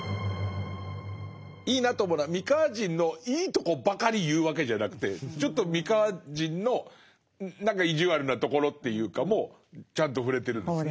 いいなと思うのは三河人のいいとこばかり言うわけじゃなくてちょっと三河人の何か意地悪なところというかもちゃんと触れてるんですね。